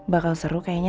bakal seru kayaknya